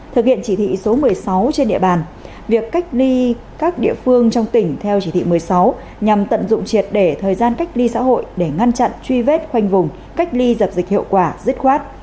thực hiện chỉ thị số một mươi sáu trên địa bàn việc cách ly các địa phương trong tỉnh theo chỉ thị một mươi sáu nhằm tận dụng triệt để thời gian cách ly xã hội để ngăn chặn truy vết khoanh vùng cách ly dập dịch hiệu quả dứt khoát